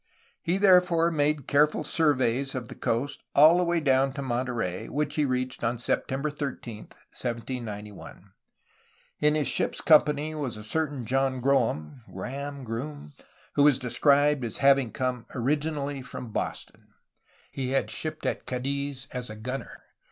He therefore made careful surveys of the coast all the way down to Mon terey, which he reached on September 13, 1791. In his ship's company was a certain ^'JohnGroem'' (Graham? Groom?), who was described as having come originally from "Boston/' he had shipped at Cadiz as a gunner.